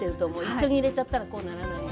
一緒に入れちゃったらこうならない。